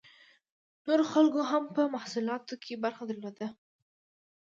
نورو خلکو هم په محصولاتو کې برخه درلوده.